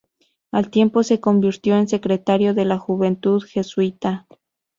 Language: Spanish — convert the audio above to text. Al tiempo se convirtió en Secretario de la Juventud Jesuita.